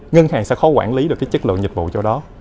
ngân hàng sẽ khó quản lý được cái chất lượng dịch vụ cho đó